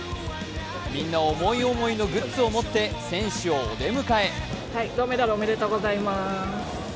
みんな思い思いのグッズを持って選手をお出迎え。